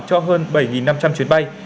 cho hơn bảy năm trăm linh chuyến bay